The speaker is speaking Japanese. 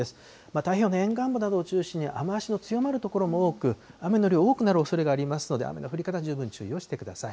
太平洋の沿岸部などを中心に雨足の強まる所も多く、雨の量、多くなるおそれがありますので、雨の降り方に十分注意をしてください。